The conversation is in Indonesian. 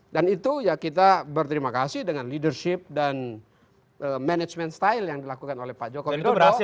dan itu ya kita berterima kasih dengan leadership dan management style yang dilakukan oleh pak joko widodo